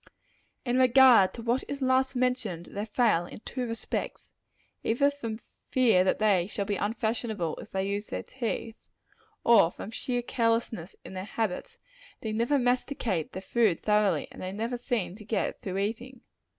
In regard to what is last mentioned, they fail in two respects. Either through fear that they shall be unfashionable, if they use their teeth, or from sheer carelessness in their habits, they never masticate their food thoroughly; and they never seem to get through eating.